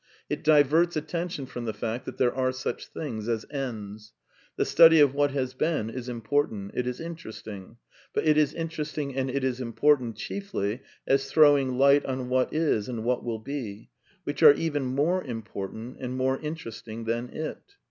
It diverts attention from the fact that there are such things as ends. The study of what has been is important; it is interesting; but it is in teresting and it is important chiefly as throwing light on what is and what will be, which are even more important and more interesting than it.